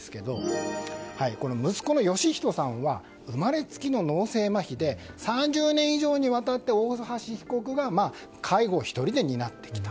息子の芳人さんは生まれつきの脳性まひで３０年以上にわたって大橋被告が介護を１人で担ってきた。